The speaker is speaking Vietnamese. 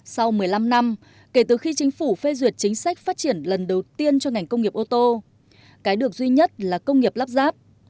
sau một mươi năm năm kể từ khi chính phủ phê duyệt chính sách phát triển lần đầu tiên cho ngành công nghiệp ô tô cái được duy nhất là công nghiệp lắp ráp